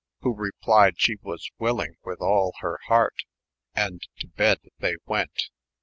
who replyed she was willing with all her heart ;& to bed th€ went.